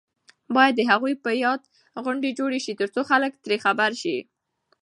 باید د هغوی په یاد غونډې جوړې شي ترڅو خلک ترې خبر شي.